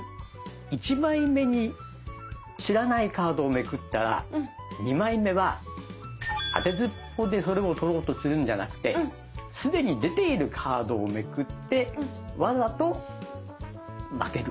１枚目に知らないカードをめくったら２枚目はあてずっぽでそれを取ろうとするんじゃなくて既に出ているカードをめくってわざと負ける。